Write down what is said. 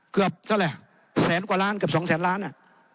เกือบเท่าไหร่แสนกว่าล้านเกือบสองแสนล้านอ่ะ